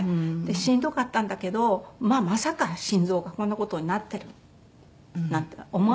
しんどかったんだけどまさか心臓がこんな事になってるなんて思わないから。